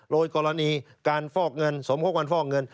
โดยกรณีการฟอกเงินสมคบกันฟอกเงิน